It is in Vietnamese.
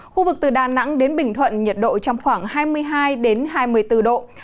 khu vực từ đà nẵng đến bình thuận nhiệt độ trong khoảng hai mươi hai hai mươi bốn độ